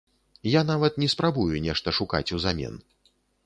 Я нават не спрабую нешта шукаць узамен.